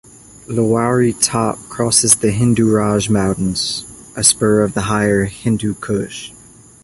Lowari Top crosses the Hindu Raj Mountains, a spur of the higher Hindu Kush.